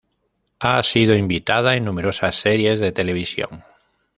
Ha sido invitada en numerosas series de televisión.